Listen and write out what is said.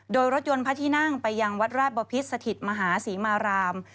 โดยรถยนต์พระที่นั่งไปยังวัดราชบพิษสถิตมหาศรีมาราม